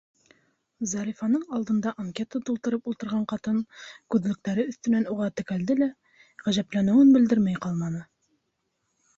Зарифаның алдында анкета тултырып ултырған ҡатын, күҙлектәре өҫтөнән уға текәлде лә, ғәжәпләнеүен белдермәй ҡалманы: